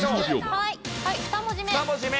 はい２文字目。